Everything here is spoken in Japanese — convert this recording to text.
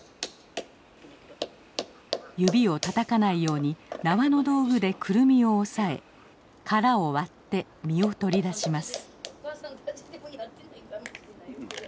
指をたたかないように縄の道具でクルミを押さえ殻を割って実を取り出します。